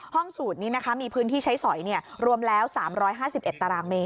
ห้องสูดนี้มีพื้นที่ใช้สอยรวมแล้ว๓๕๐อัตราเมตร